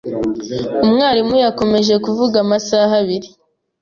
Umwarimu yakomeje kuvuga amasaha abiri.